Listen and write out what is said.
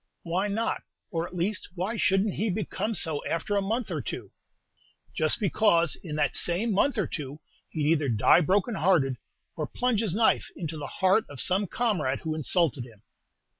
"Why not? or, at least, why should n't he become so after a month or two?" "Just because in that same month or two he'd either die broken hearted, or plunge his knife into the heart of some comrade who insulted him."